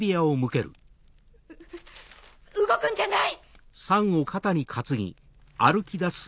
う動くんじゃない！